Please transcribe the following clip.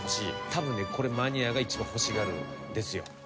多分ねこれマニアが一番欲しがるんですよ。